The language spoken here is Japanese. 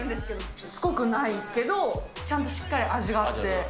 しつこくないけど、ちゃんとしっかり味があって。